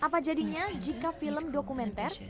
apa jadinya jika film dokumenter